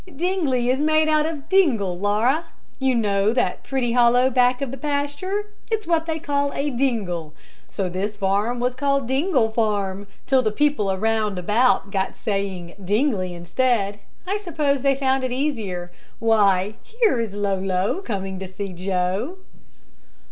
"Dingley is made out of 'dingle,' Laura. You know that pretty hollow back of the pasture? It is what they call a 'dingle.' So this farm was called Dingle Farm till the people around about got saying 'Dingley' instead. I suppose they found it easier. Why, here is Lolo coming to see Joe."